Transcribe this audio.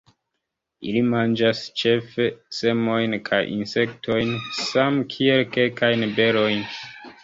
Ili manĝas ĉefe semojn kaj insektojn, same kiel kelkajn berojn.